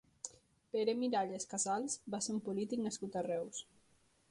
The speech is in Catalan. Pere Miralles Casals va ser un polític nascut a Reus.